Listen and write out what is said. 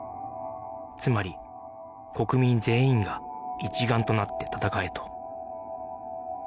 つまり国民全員が一丸となって戦えと